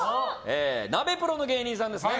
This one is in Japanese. ナベプロの芸人さんですね。